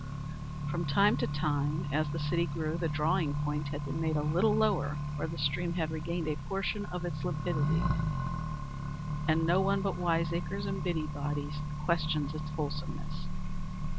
From time to time, as the city grew, the drawing point had been made a little lower where the stream had regained a portion of its limpidity, and no one but wiseacres and busybodies questioned its wholesomeness.